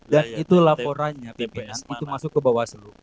dan itu laporannya pimpinan itu masuk ke bawah seluruh